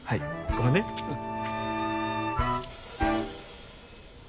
ごめんねうん。